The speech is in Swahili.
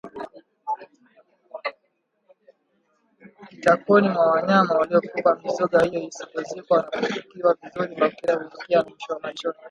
kitakoni mwa wanyama waliokufa Mizoga hiyo isipozikwa na kufukiwa vizuri bakteria huingia malishoni